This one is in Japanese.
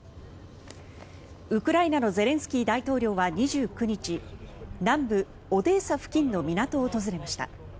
ウクライナのゼレンスキー大統領は２９日南部オデーサ付近の港を訪れました。